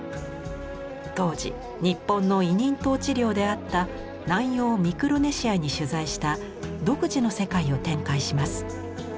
当時日本の委任統治領であった南洋ミクロネシアに取材した独自の世界を展開します。